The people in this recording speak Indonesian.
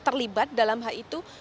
valor kondisi timur dalam hukum